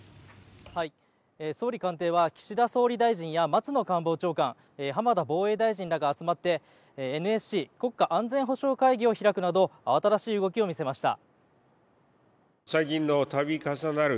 総理官邸は岸田総理大臣や松野官房長官浜田防衛大臣らが集まってＮＳＣ・国家安全保障会議を開くなど慌ただしい動きを見せました。